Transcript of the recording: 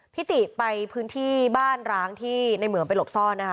ติไปพื้นที่บ้านร้างที่ในเหมืองไปหลบซ่อนนะคะ